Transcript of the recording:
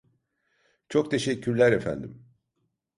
Çok teşekkürler efendim.